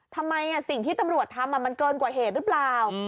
ทำไมสิ่งที่ตำรวจทำมันเกินกว่าเหตุหรือเปล่า